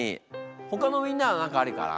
ほかのみんなは何かあるかな？